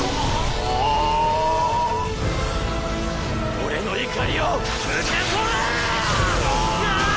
俺の怒りを受け取れ！はあ‼